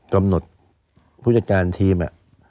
กำหนดผู้จัดการทีม